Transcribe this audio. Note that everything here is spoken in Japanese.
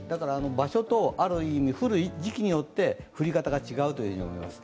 場所とある意味、降る時期によって降り方が違います。